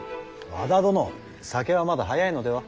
和田殿酒はまだ早いのでは。